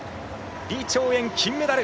李朝燕、金メダル！